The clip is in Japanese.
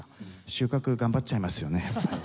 収穫頑張っちゃいますよね